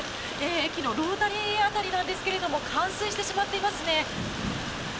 駅のロータリー辺りなんですが冠水してしまっていますね。